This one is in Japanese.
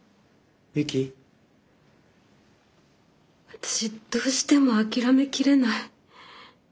私どうしても諦めきれない。